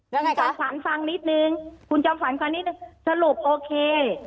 คุณจำฝันฟังนิดนึงคุณจำฝันฟังนิดนึงสรุปโอเค